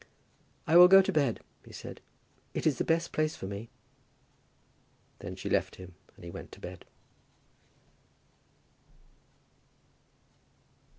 "I will go to bed," he said. "It is the best place for me." Then she left him, and he went to bed.